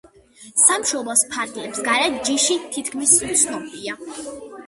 სამშობლოს ფარგლებს გარეთ ჯიში თითქმის უცნობია.